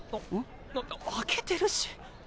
あっ開けてるし。